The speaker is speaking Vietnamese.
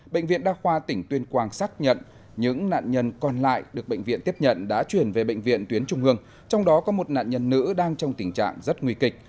bệnh viện đa khoa tỉnh tuyên quang xác nhận những nạn nhân còn lại được bệnh viện tiếp nhận đã chuyển về bệnh viện tuyến trung hương trong đó có một nạn nhân nữ đang trong tình trạng rất nguy kịch